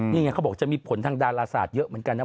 นี่ไงเขาบอกจะมีผลทางดาราศาสตร์เยอะเหมือนกันนะ